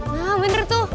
nah bener tuh